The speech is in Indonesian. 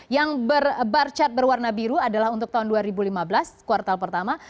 yang barcat berwarna biru adalah untuk tahun dua ribu lima belas kuartal pertama